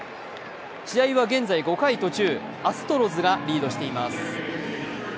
試合は現在５回途中アストロズがリードしています。